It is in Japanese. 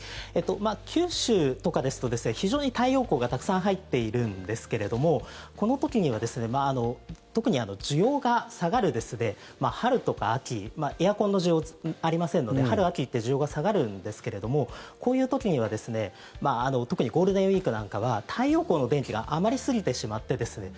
九州とかですと非常に太陽光がたくさん入っているんですけどもこの時にはですね特に需要が下がる春とか秋エアコンの需要、ありませんので春、秋って需要が下がるんですけれどもこういう時にはですね特にゴールデンウィークなんかは太陽光の電気が余りすぎてしまってですね